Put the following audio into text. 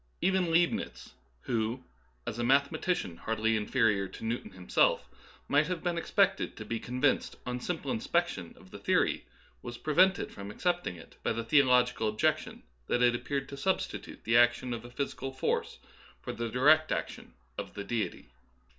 Even Leibnitz, who, as a mathematician hardly inferior to Newton himself, might have been expected to be convinced on simple inspection of the theory, was prevented from accepting it by the theo logical objection that it appeared to substitute the action of a physical force for the direct ac tion of the Deity.